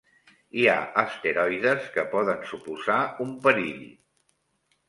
Hi ha asteroides que poden suposar un perill